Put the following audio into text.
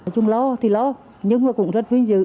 chúng lo thì lo nhưng mà cũng rất vinh dự